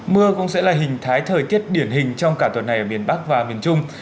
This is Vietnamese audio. mưa cũng sẽ là hình thái thời tiết điển hình trong cả tuần này ở miền bắc và miền trung